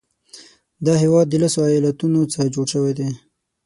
دا هیواد د لسو ایالاتونو څخه جوړ شوی دی.